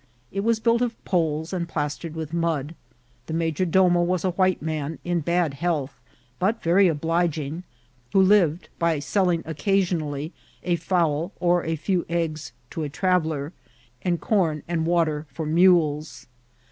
It was built of poles and plastered with mud. The major domo was a white man, in bad health,' but very obliging, who lived by selling occasionally a fowl or a few eggs to a traveller, and corn and water for mules.